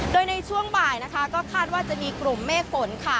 โดยในช่วงบ่ายนะคะก็คาดว่าจะมีกลุ่มเมฆฝนค่ะ